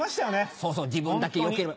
そうそう自分だけよければ。